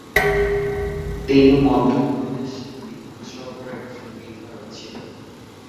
তিনি মধ্যপ্রদেশ বিধানসভার একজন বিধায়ক ছিলেন।